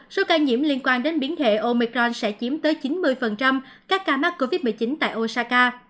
số ca nhiễm liên quan đến biến thể omicron sẽ chiếm tới chín mươi các ca mắc covid một mươi chín tại osaka